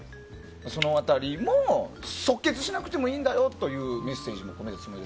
その辺りも即決しなくてもいいんだよというメッセージも込めて。